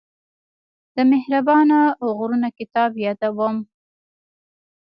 د مهربانه غرونه کتاب يادوم.